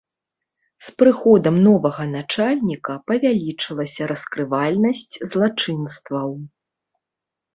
З прыходам новага начальніка павялічылася раскрывальнасць злачынстваў.